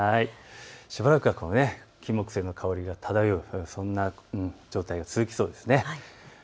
しばらくキンモクセイの香りが漂う、そんな状態が続きそうですね。